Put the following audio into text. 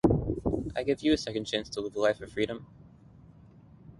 I gave you a second chance to live a life of freedom.